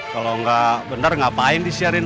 kalau gak bener ngapain disiarin